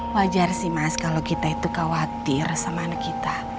wajar sih mas kalau kita itu khawatir sama anak kita